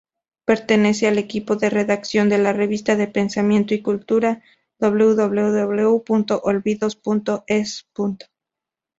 Pertenece al equipo de redacción de la revista de pensamiento y cultura www.olvidos.es.